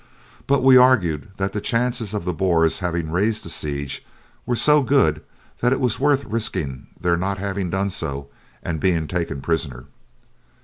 But we argued that the chances of the Boers having raised the siege were so good that it was worth risking their not having done so, and being taken prisoner.